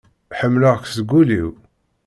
Ḥemleɣ-k seg ul-iw.